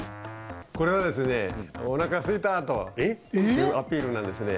これはですね「おなかすいた」というアピールなんですね。